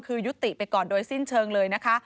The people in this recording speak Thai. คือยุติไปก่อนโดยสิ้นเชิงเลยนะคะ